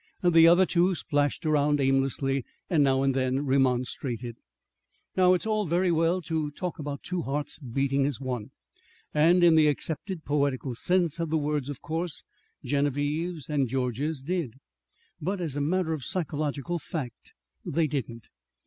The other two splashed around aimlessly and now and then remonstrated. Now, it's all very well to talk about two hearts beating as one, and in the accepted poetical sense of the words, of course Genevieve's and George's did. But as a matter of physiological fact, they didn't.